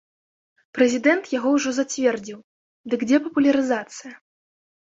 Прэзідэнт яго ўжо зацвердзіў, дык дзе папулярызацыя?